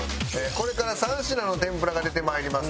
これから３品の天ぷらが出て参ります。